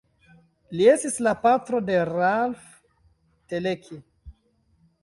Li estis la patro de Ralph Teleki.